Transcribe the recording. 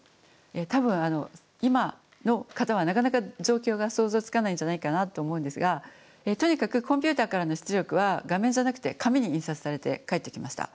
多分今の方はなかなか状況が想像つかないんじゃないかなと思うんですがとにかくコンピューターからの出力は画面じゃなくて紙に印刷されて返ってきました。